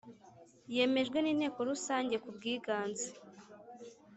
Yemejwe n inteko rusange kubwiganze